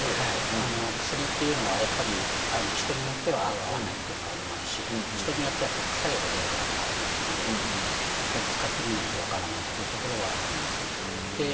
薬というのは人によっては合う合わないというのは、ありますし人によって副作用が出る場合もありますので使ってみないと分からないというところはありますね。